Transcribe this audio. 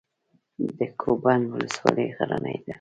د کوه بند ولسوالۍ غرنۍ ده